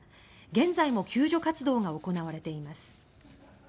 現在も救助活動が行われています。